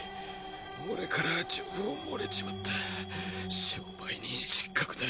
俺から情報漏れちまった商売人失格だ。